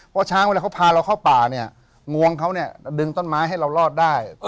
เพราะช้างเวลาเขาพาเราเข้าป่าเนี่ยงวงเขาเนี่ยดึงต้นไม้ให้เรารอดได้